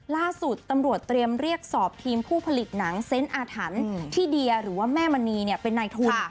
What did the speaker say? ล่าสุดตำรวจเตรียมเรียกสอบทีมผู้ผลิตหนังเซนต์อาถรรพ์ที่เดียหรือว่าแม่มณีเป็นนายทุน